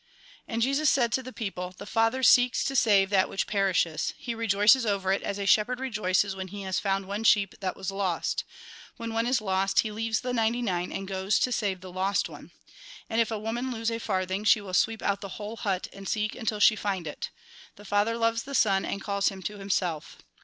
And Jesus said to the people :" The Father seeks to save that which perishes. He rejoices over it, as a shepherd rejoices when he has found one sheep that was lost. When one is lost, he leaves the ninety nine, and goes to save the lost one. And if a woman lose a farthing, she will Mt. XX. 2a Lk. XV. LIFE IS NOT TEMPORAL los Lk. XV. 10. xiv. 8. XV. 11. 12. 13. 15. 10. 17. sweep out the whole hut and seek until she find it. The Father loves the Son, and calls him to Him self."